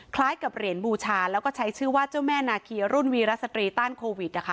คล้ายกับเหรียญบูชาแล้วก็ใช้ชื่อว่าเจ้าแม่นาคีรุ่นวีรสตรีต้านโควิดนะคะ